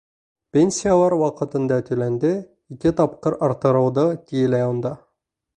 Пенсиялар ваҡытында түләнде, ике тапҡыр арттырылды, тиелә унда.